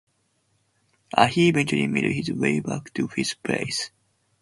He eventually made his way back to fifth place.